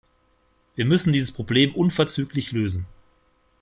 Wir müssen dieses Problem unverzüglich lösen.